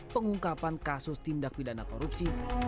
pengungkapan kasus tindak pidana korupsi